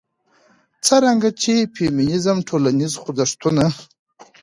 څرنګه چې د فيمنيزم ټولنيز خوځښتونه